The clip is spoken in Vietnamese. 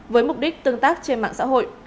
với mục đích tương tác trên mạng xã hội